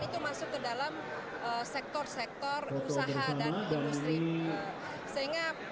itu masuk ke dalam sektor sektor usaha dan industri